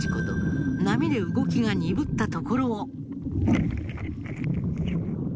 波で動きが鈍ったところを。